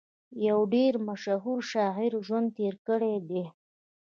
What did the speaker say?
يو ډېر مشهور شاعر ژوند تېر کړی دی